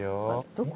どこ？